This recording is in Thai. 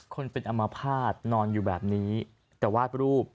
คนเป็นอมภาษณ์นอนอยู่แบบนี้แต่วาดรูป